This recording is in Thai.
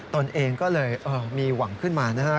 ตนเองก็เลยมีหวังขึ้นมานะฮะ